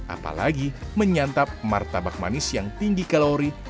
apalagi menyantap martabak manis yang tinggi kalori